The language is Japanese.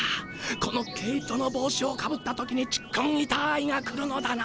この毛糸の帽子をかぶった時にちっくんいたーいが来るのだな？